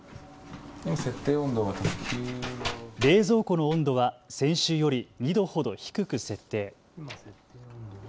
冷蔵庫の温度は先週より２度ほど低く設定。